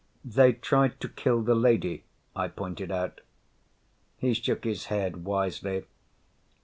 "They tried to kill the lady," I pointed out. He shook his head wisely.